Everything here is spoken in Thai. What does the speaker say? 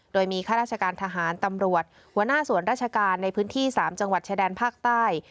โดยมีข้าราชการทหารตำรวจหัวหน้าส่วนราชการในพื้นที่๓จังหวัดชายแดนภาคใต้